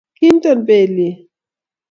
kinton belyek.